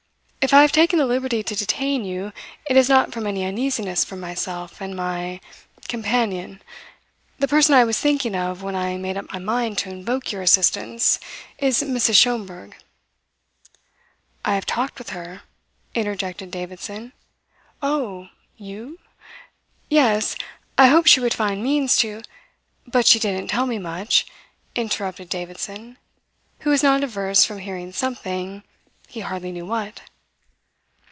If I have taken the liberty to detain you, it is not from any uneasiness for myself and my companion. The person I was thinking of when I made up my mind to invoke your assistance is Mrs. Schomberg." "I have talked with her," interjected Davidson. "Oh! You? Yes, I hoped she would find means to " "But she didn't tell me much," interrupted Davidson, who was not averse from hearing something he hardly knew what.